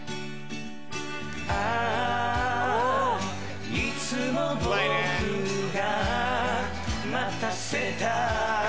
ああいつも僕が待たせた